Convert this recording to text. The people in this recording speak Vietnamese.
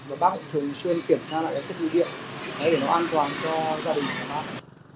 và bác cũng thường xuyên kiểm tra lại cái thiết bị điện để nó an toàn cho gia đình của bác